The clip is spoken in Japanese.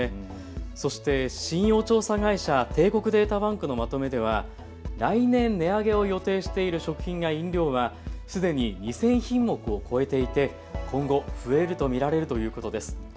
そして信用調査会社、帝国データバンクによると来年、値上げを予定している食品や飲料はすでに２０００品目を超えていて今後、増えると見られるということです。